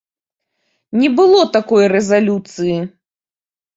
Не было такой рэзалюцыі.